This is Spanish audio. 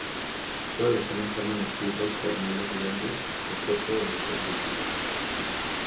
Todos los temas fueron escritos por Myles Goodwyn, excepto donde se indica.